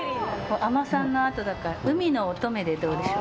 海女さんのあとだから「海の乙女」でどうでしょう。